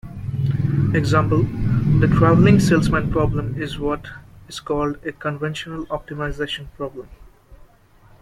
Example: The traveling salesman problem is what is called a conventional optimization problem.